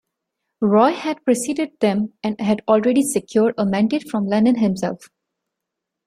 Roy had preceded them and had already secured a mandate from Lenin himself.